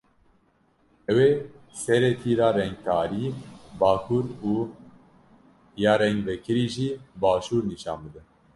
Ew ê serê tîra rengtarî bakur û ya rengvekirî jî başûr nîşan bide.